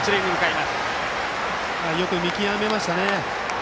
よく見極めましたね。